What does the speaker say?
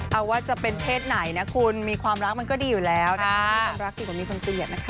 เอาว่าจะเป็นเพศไหนนะคุณมีความรักมันก็ดีอยู่แล้วนะคะมีคนรักดีกว่ามีคนเสียดนะคะ